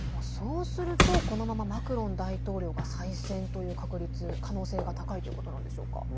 そうすると、このままマクロン大統領が再選という確率、可能性が高いということなんでしょうか。